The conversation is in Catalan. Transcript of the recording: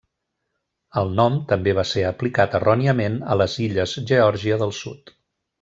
El nom també va ser aplicat erròniament a les illes Geòrgia del Sud.